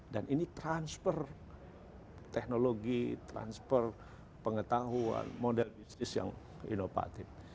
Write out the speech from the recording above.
dan ini transfer teknologi transfer pengetahuan model bisnis yang inovatif